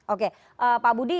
oke pak budi